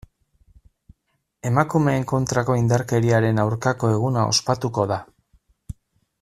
Emakumeen kontrako indarkeriaren aurkako eguna ospatuko da.